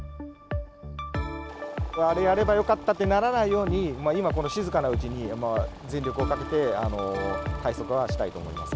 あれやればよかったってならないように、今この静かなうちに、全力をかけて対策はしたいと思います。